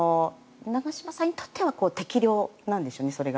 長嶋さんにとってはそれが適量なんでしょうね。